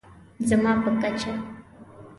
زما په کچه